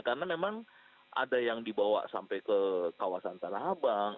karena memang ada yang dibawa sampai ke kawasan tarahabang